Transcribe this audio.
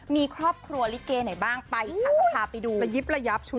มีครอบครัวลิเกไหนบ้างไปอีกครั้งนะคะไปดู